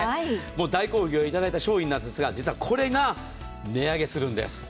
大好評いただいた商品なんですが、これが値上げするんです。